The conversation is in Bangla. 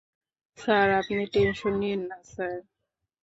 স্যার, আপনি টেনশন নিয়েন না, স্যার।